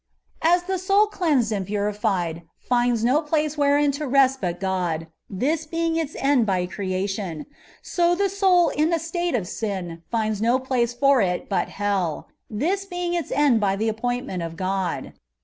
As the soni cleansed and purified finds no place wherein to rest but God, this being ita end by creatìon^ so the soul in a state of sin fìnds no place for it but hell, this being its end by the ap pointment of God.